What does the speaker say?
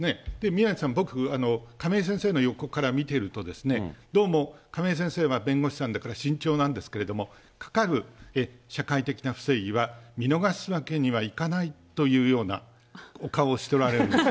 宮根さん、僕、亀井先生の横から見てるとですね、どうも亀井先生は弁護士さんだから慎重なんですけれども、かかる社会的な不正義は、見逃すわけにはいかないというようなお顔をしておられる。